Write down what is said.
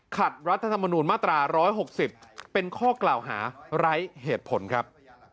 รัฐธรรมนูญมาตรา๑๖๐เป็นข้อกล่าวหาไร้เหตุผลครับ